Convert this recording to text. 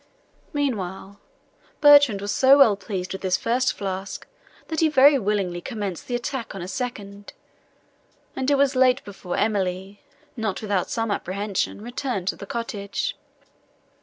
Meanwhile, Bertrand was so well pleased with his first flask, that he very willingly commenced the attack on a second, and it was late before Emily, not without some apprehension, returned to the cottage.